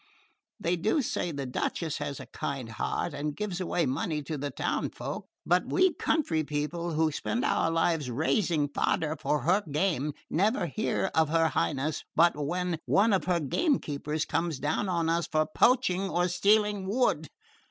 They do say the Duchess has a kind heart, and gives away money to the towns folk; but we country people who spend our lives raising fodder for her game never hear of her Highness but when one of her game keepers comes down on us for poaching or stealing wood.